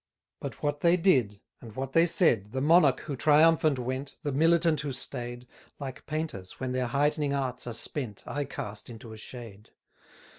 But what they did, and what they said, The monarch who triumphant went, The militant who staid, Like painters, when their heightening arts are spent, I cast into a shade.